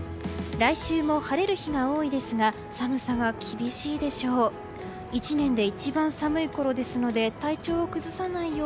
来週も晴れる日が多いですが寒さは厳しいでしょう。